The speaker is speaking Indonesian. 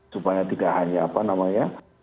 supaya tidak hanya apa namanya